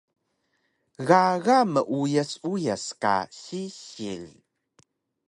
Gaga meuyas uyas ka sisil